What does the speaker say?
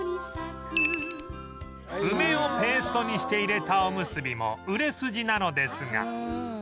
梅をペーストにして入れたおむすびも売れ筋なのですが